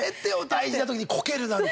大事な時にこけるなんて。